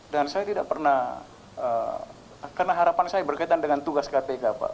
dan saya tidak pernah karena harapan saya berkaitan dengan tugas kpk pak